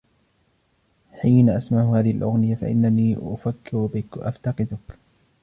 حين أسمع هذه الأغنية ، فإنني أفكر بك ، وأفتقدك.